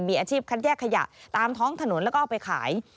มีอาชีพคัดแยกขยะตามท้องถนนแล้วก็เอาไปขาย